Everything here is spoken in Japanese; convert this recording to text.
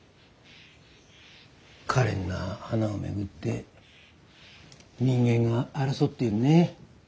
かれんな花を巡って人間が争っているね。